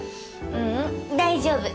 ううん大丈夫。